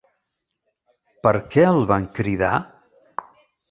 ¿Per què el van cridar?